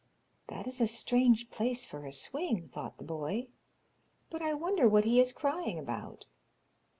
'That is a strange place for a swing,' thought the boy; 'but I wonder what he is crying about.'